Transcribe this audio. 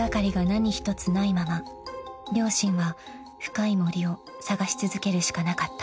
［両親は深い森を捜し続けるしかなかった］